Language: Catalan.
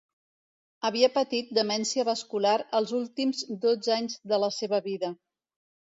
Havia patit demència vascular els últims dotze anys de la seva vida.